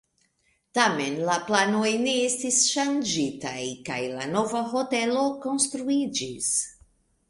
Tamen la planoj ne estis ŝanĝitaj kaj la nova hotelo konstruiĝis.